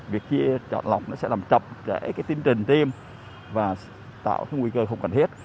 việc chia chọn lọc sẽ làm chậm trẻ tiêm trình tiêm và tạo ra nguy cơ không cần thiết